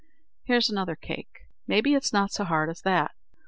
Here's another cake maybe it's not so hard as that."